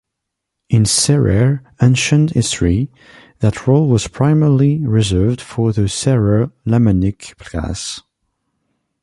In Serer ancient history, that role was primarily reserved for the Serer lamanic class.